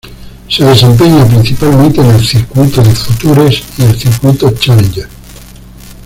Se desempeña principalmente en el circuito de Futures y el circuito Challenger.